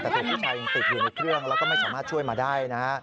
แต่ผู้ชายยังติดอยู่ในเครื่องไม่สามารถช่วยมาได้